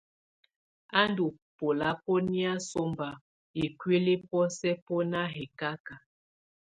Á ndù bɛlabɔnɛ̀á sɔmba ikuili bɔ̀ósɛ bɔ nà hɛkaka.